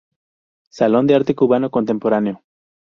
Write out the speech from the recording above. Salón de Arte Cubano Contemporáneo.